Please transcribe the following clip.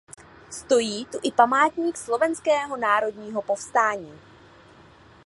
Stojí tu i památník Slovenského národního povstání.